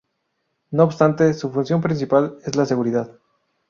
No obstante, su función principal es la seguridad.